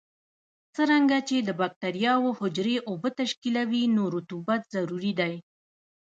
څرنګه چې د بکټریاوو حجرې اوبه تشکیلوي نو رطوبت ضروري دی.